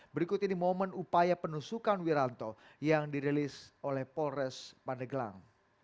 berikut ini momen upaya penusukan wiranto yang dirilis oleh polres pandeglang